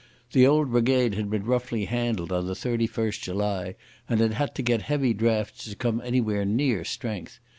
The old brigade had been roughly handled on 31st July, and had had to get heavy drafts to come anywhere near strength.